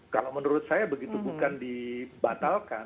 kalau menurut saya begitu bukan dibatalkan